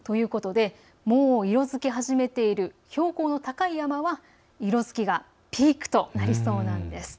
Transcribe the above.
もう色づき始めている標高の高い山は色づきがピークとなりそうです。